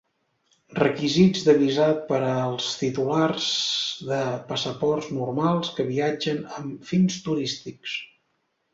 Requisits de visat per als titulars de passaports normals que viatgen amb fins turístics.